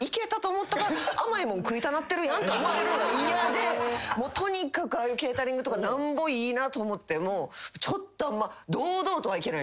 食いたなってるやんって思われるのが嫌でとにかくああいうケータリングとかなんぼいいなと思ってもちょっと堂々とはいけないです。